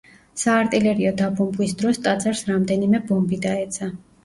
საარტილერიო დაბომბვის დროს ტაძარს რამდენიმე ბომბი დაეცა.